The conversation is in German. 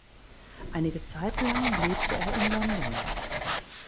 Einige Zeit lang lebte er in London.